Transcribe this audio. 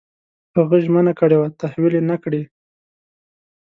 هغه ژمنه کړې وه تحویل یې نه کړې.